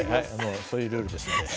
そういうルールですので。